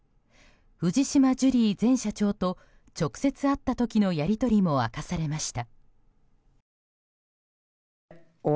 藤島ジュリー前社長と直接会った時のやり取りも明かされました。